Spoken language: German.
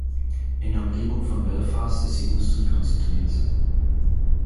In der Umgebung von Belfast ist die Industrie konzentriert.